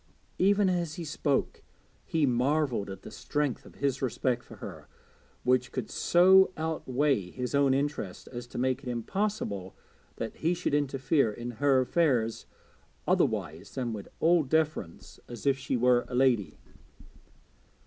Even as he spoke he marvelled at the strength of his respect for her, which could so outweigh his own interest as to make it impossible that he should interfere in her affairs otherwise than with all deference, as if she were a lady.